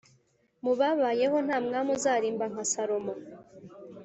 mubabayeho ntamwami uzarimba nka salomo